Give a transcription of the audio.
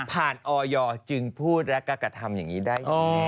ผ่านออยอร์จึงพูดและกากฏธรรมอย่างนี้ได้